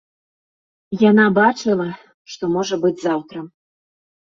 Яна бачыла, што можа быць заўтра.